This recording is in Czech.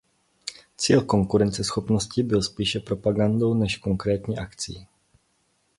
Cíl konkurenceschopnosti byl spíše propagandou než konkrétní akcí.